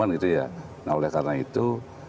nah oleh karena itu